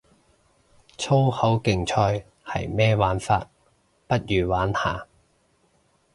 粗口競賽係咩玩法，不如玩下